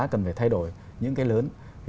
cần phải thay đổi những cái lớn